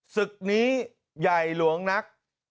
ศึกนี้ใหญ่หลวงนัก